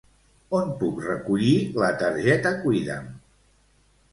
On puc recollir la targeta Cuida'm?